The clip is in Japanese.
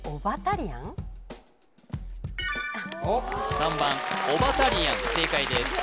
３番「オバタリアン」正解です